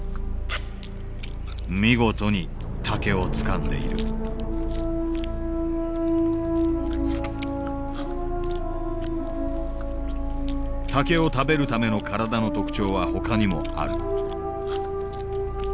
見事に竹をつかんでいる竹を食べるための体の特徴はほかにもある。